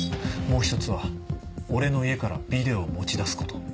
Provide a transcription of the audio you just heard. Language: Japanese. もう１つは俺の家からビデオを持ち出すこと。